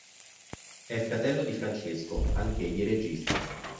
È fratello di Francesco, anch'egli regista.